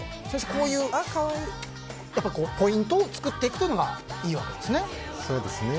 先生、こういうポイントを作っていくのがいいわけですね。